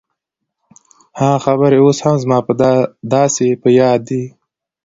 هغه خبرې اوس هم زما داسې په ياد دي.